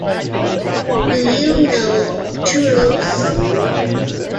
Do you know 'Truth'?